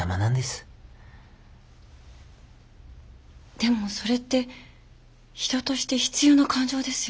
でもそれって人として必要な感情ですよね。